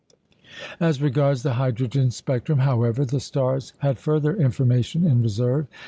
As regards the hydrogen spectrum, however, the stars had further information in reserve.